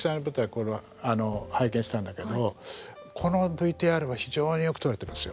これは拝見したんだけどこのＶＴＲは非常によく撮れてますよ。